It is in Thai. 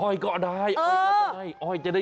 อ้อยก็ได้อ้อยก็ได้